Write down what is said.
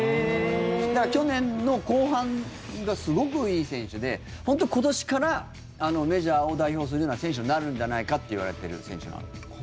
去年の後半がすごくいい選手で本当に今年からメジャーを代表するような選手になるんじゃないかっていわれてる選手なの。